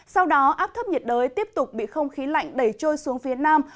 sau đó áp thấp nhiệt đới tiếp tục bị không khí lạnh đẩy trôi xuống phía nam